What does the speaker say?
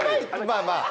まあまあ。